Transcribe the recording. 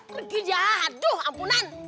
pergi dia aduh ampunan